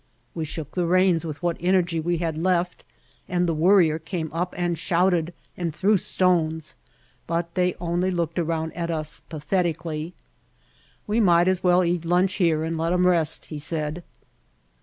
We shook the reins with what energy we had left, and the Worrier came up and shouted and threw stones, but they only looked around at us pathetically. White Heart of Mojave "We might as well eat lunch here and let 'em rest," he said.